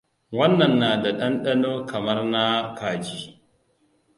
Wannan na da dandano kamar na kaji.